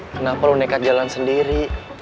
kenapa lo nekat jalan sendiri